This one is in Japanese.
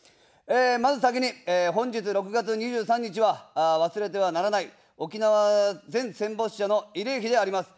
まず先に、本日６月２３日は忘れてはならない沖縄全戦没者の慰霊日であります。